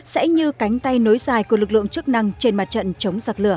sẽ như cánh tay nối dài của lực lượng chức năng trên mặt trận chống giặc lửa